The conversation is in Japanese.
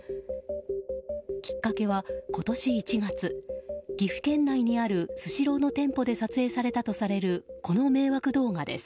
きっかけは、今年１月岐阜県内にあるスシローの店舗で撮影されたとされるこの迷惑動画です。